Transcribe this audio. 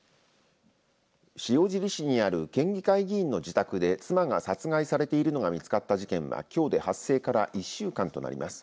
塩尻市にある県議会議員の自宅で妻が殺害されているのが見つかった事件からきょうで発生から１週間となります。